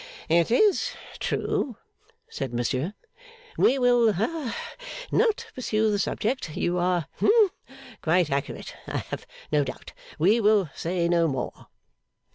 'It is true,' said Monsieur. 'We will ha not pursue the subject. You are hum quite accurate, I have no doubt. We will say no more.